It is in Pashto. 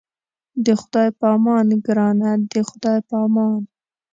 د خدای په امان ګرانه د خدای په امان.